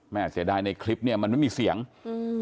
เสียดายในคลิปเนี้ยมันไม่มีเสียงอืม